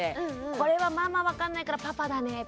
これはママ分かんないからパパだねとか。